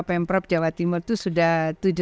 pemprov jawa timur itu sudah